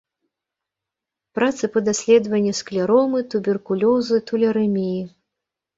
Працы па даследаванні склеромы, туберкулёзу, тулярэміі.